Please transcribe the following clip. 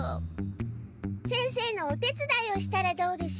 先生のお手つだいをしたらどうでしょう。